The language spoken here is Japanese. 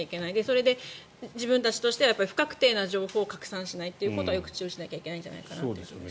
それで、自分たちとしては不確定な情報を拡散しないことはよく注意しなきゃいけないんじゃないかなと思います。